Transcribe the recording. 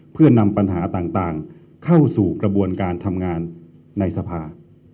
เพื่อนำปัญหาต่างเข้าสู่กระบวนการทำงานในสภา